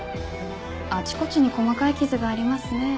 あちこちに細かい傷がありますね。